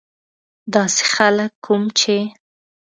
داسې خلک کوم چې.